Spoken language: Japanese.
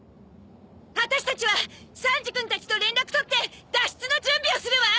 あたしたちはサンジ君たちと連絡取って脱出の準備をするわ！